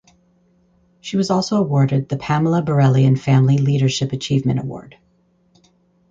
She was also awarded the Pamela Borelli and Family Leadership Achievement Award.